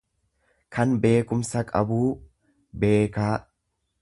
kan beekumsa qabuu, beekaa.